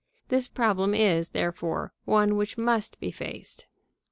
This problem is, therefore, one which must be faced.